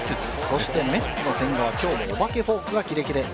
そしてメッツの千賀は今日もお化けフォークがキレキレ。